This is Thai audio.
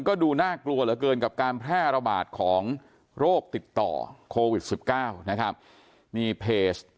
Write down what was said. ก็ดูน่ากลัวเหลือเกินกับการแพร่ระบาดของโรคติดต่อโควิดสิบเก้านะครับมีเพจ